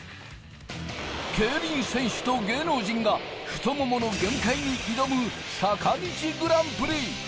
競輪選手と芸能人が太ももの限界に挑む坂道グランプリ！